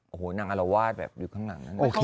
โอ้โหนางอารวาสแบบอยู่ข้างหลังนั้น